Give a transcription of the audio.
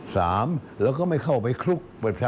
เราก็ไม่เข้าไปคลุก